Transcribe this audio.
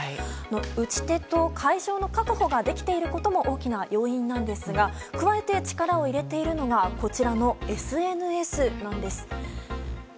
打ち手と会場の確保ができていることも大きな要因なんですが加えて力を入れているのがＳＮＳなんです。